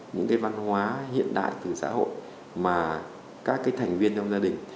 những cái văn hóa hiện đại từ xã hội mà các cái thành viên trong gia đình